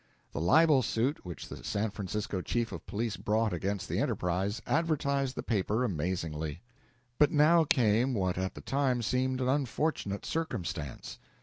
The libel suit which the San Francisco chief of police brought against the Enterprise advertised the paper amazingly. But now came what at the time seemed an unfortunate circumstance.